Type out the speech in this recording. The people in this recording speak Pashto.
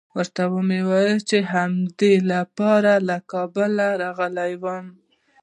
ورته ویل مو چې د همدې لپاره له کابله راغلي یوو.